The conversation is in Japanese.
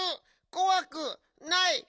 こわくないよ！